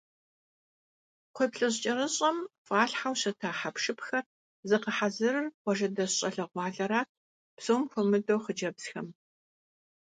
Кхъуейплъыжь кӏэрыщӏэм фӏалъхьэу щыта хьэпшыпхэр зыгъэхьэзырыр къуажэдэс щӏалэгъуалэрат, псом хуэмыдэу хъыджэбзхэм.